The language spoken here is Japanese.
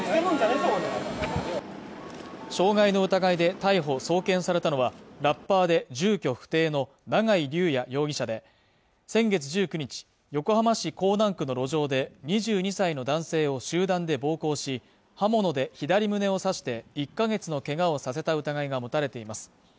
傷害の疑いで逮捕送検されたのはラッパーで住居不定の永井竜也容疑者で先月１９日横浜市港南区の路上で２２歳の男性を集団で暴行し刃物で左胸を刺して１か月のけがをさせた疑いが持たれています